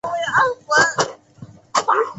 戈亚廷斯是巴西托坎廷斯州的一个市镇。